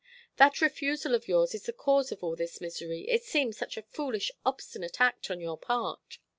"That refusal of yours is the cause of all this misery. It seems such a foolish, obstinate act on your part."